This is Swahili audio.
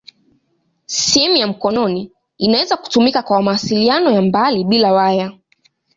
Simu ya mkononi inaweza kutumika kwa mawasiliano ya mbali bila waya.